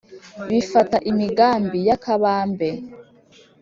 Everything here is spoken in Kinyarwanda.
bifata imigambi ya kabambe